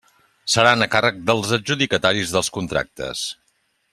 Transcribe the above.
Seran a càrrec dels adjudicataris dels contractes.